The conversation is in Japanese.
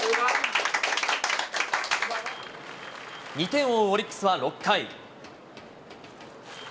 ２点を追うオリックスは６回。